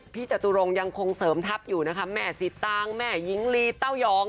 จตุรงค์ยังคงเสริมทัพอยู่นะคะแม่สิตางแม่หญิงลีเต้ายอง